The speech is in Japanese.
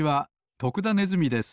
徳田ネズミです。